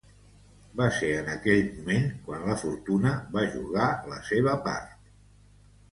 Va ser en aquell moment quan la fortuna va jugar la seua part.